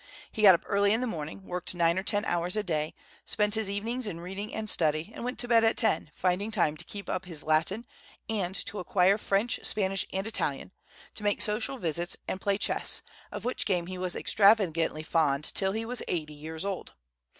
He got up early in the morning, worked nine or ten hours a day, spent his evenings in reading and study, and went to bed at ten, finding time to keep up his Latin, and to acquire French, Spanish, and Italian, to make social visits, and play chess, of which game he was extravagantly fond till he was eighty years old.